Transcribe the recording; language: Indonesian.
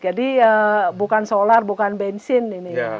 jadi bukan solar bukan bensin ini